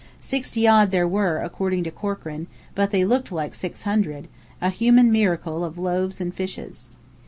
Sixty odd they were, according to Corkran, but they looked like six hundred; a human miracle of loaves and fishes.